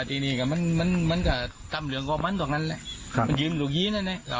ทีนี้ก็มันมันก็ตำเหลืองก็มันตรงนั้นแหละมันยืมลูกยีนั่นแหละ